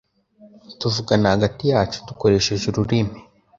Tuvugana hagati yacu dukoresheje ururimi.